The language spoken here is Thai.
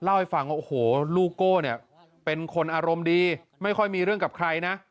เล่าให้ฟังว่าโอ้โหลูกโก้เนี่ยเป็นคนอารมณ์ดีไม่ค่อยมีเรื่องกับใครนะ